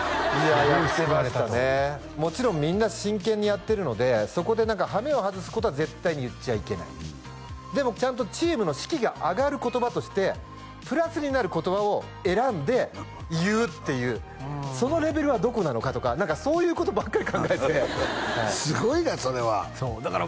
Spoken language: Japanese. すごい救われたともちろんみんな真剣にやってるのでそこで何か羽目を外すことは絶対に言っちゃいけないでもちゃんとチームの士気が上がる言葉としてプラスになる言葉を選んで言うっていうそのレベルはどこなのかとかそういうことばっかり考えてすごいねそれはだから